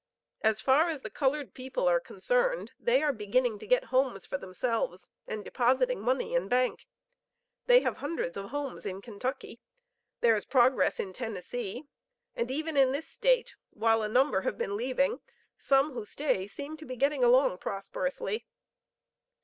As far as the colored people are concerned, they are beginning to get homes for themselves and depositing money in Bank. They have hundreds of homes in Kentucky. There is progress in Tennessee, and even in this State while a number have been leaving, some who stay seem to be getting along prosperously.